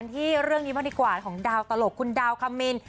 ที่เริ่มดีกว่าของดาวตลกคุณดาวกามิน